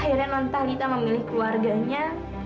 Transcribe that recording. akhirnya tuan talita memilih keluarganya